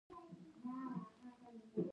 څنګه زخمي شوی یې؟